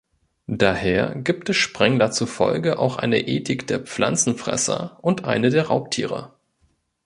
Daher gibt es Spengler zufolge auch eine ‚Ethik’ der Pflanzenfresser und eine der Raubtiere.